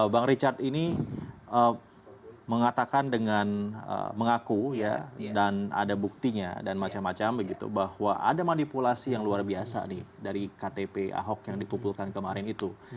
bang richard ini mengatakan dengan mengaku dan ada buktinya dan macam macam begitu bahwa ada manipulasi yang luar biasa nih dari ktp ahok yang dikumpulkan kemarin itu